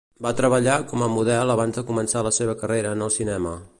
Va Treballar com a model abans de començar la seva carrera en el cinema.